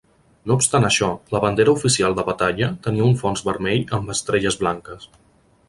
No obstant això, la bandera oficial de batalla tenia un fons vermell amb estrelles blanques.